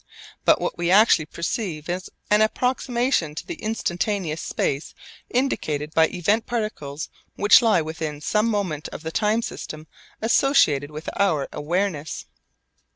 But what we actually perceive is an approximation to the instantaneous space indicated by event particles which lie within some moment of the time system associated with our awareness.